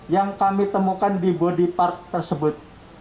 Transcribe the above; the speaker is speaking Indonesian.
yang kami temukan di body part tersebut